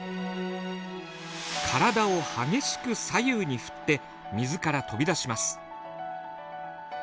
体を激しく左右に振って水から飛び出します。